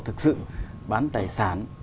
thực sự bán tài sản